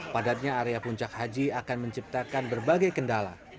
padatnya area puncak haji akan menciptakan berbagai kendala